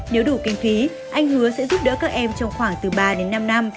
nếu đủ kinh phí anh hứa sẽ giúp đỡ các em trong khoảng từ ba đến năm năm